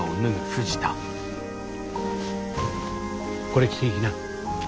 これ着て行きな。